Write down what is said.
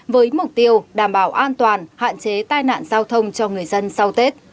với mục tiêu đảm bảo an toàn hạn chế tai nạn giao thông cho người dân sau tết